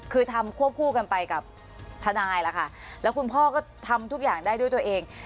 คือทำควบคู่กันไปกับทนายล่ะค่ะแล้วคุณพ่อก็ทำทุกอย่างได้ด้วยตัวเอง